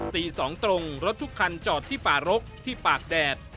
ตี๒ตรงรถทุกคันจอดที่ป่ารกที่ปากแดด